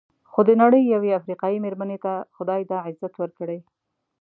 خو د نړۍ یوې افریقایي مېرمنې ته خدای دا عزت ورکړی.